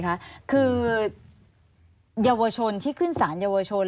คือเยาวชนที่ขึ้นสารเยาวชน